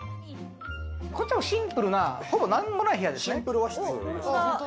こっちはシンプルな、ほぼ何にもない部屋です。